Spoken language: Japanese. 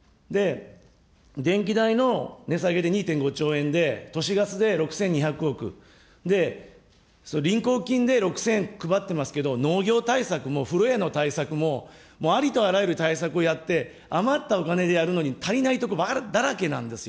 電気代の値下げで２．５兆円で、都市ガスで６２００億、りんこうきんで６０００配ってますけれども、農業対策もの対策もありとあらゆる対策をやって、余ったお金でやるのに足りないところだらけなんですよ。